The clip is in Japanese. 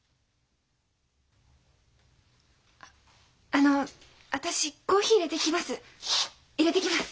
ああの私コーヒーいれてきます。